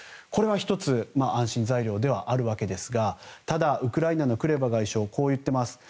これは１つ安心材料ではあるわけですがただ、ウクライナのクレバ外相はこう言っています。